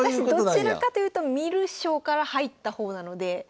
私どちらかというと観る将から入った方なので。